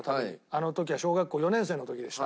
あの時は小学校４年生の時でした。